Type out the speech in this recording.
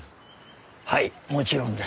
はいもちろんです。